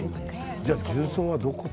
じゃあ重曹はどこで？